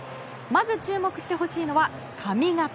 まず注目してほしいのは髪形。